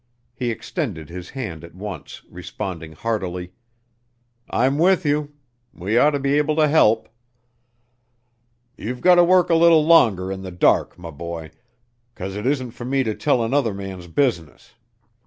He extended his hand at once, responding heartily, "I'm with you. We ought to be able to help." "You've gotter work a little longer in the dark, m' boy, 'cause it isn't for me to tell another man's business.